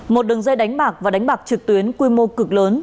một đường dây đánh bạc và đánh bạc trực tuyến quy mô cực lớn